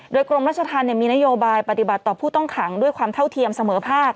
โดยกรมราชธรรมมีนโยบายปฏิบัติต่อผู้ต้องขังด้วยความเท่าเทียมเสมอภาค